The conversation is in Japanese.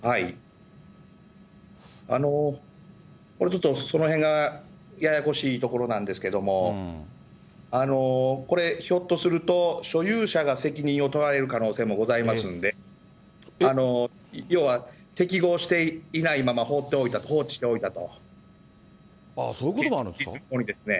これちょっと、そのへんがややこしいところなんですけども、これ、ひょっとすると、所有者が責任を取られる可能性もございますんで、要は適合していないまま放っておいた、そういうこともあるんですか。